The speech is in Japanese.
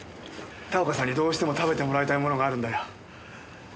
田岡さんにどうしても食べてもらいたいものがあるんだよ。